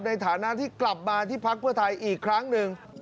ในฐานะที่กลับมาที่พักเพื่อไทยอีกครั้งหนึ่ง